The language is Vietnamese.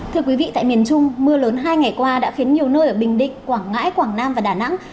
thưa quý vị tại miền trung mưa lớn hai ngày qua đã khiến nhiều nơi ở bình định quảng ngãi quảng nam và đà nẵng